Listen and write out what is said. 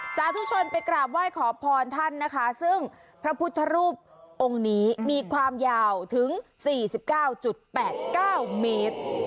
สาธุชนไปกราบไหว้ขอพรท่านนะคะซึ่งพระพุทธรูปองค์นี้มีความยาวถึง๔๙๘๙เมตร